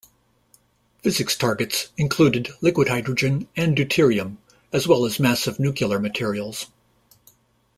Physics targets included liquid hydrogen and deuterium, as well as massive nuclear materials.